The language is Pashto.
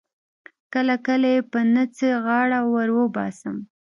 کله کله یې په نه څه غاړه ور وباسم.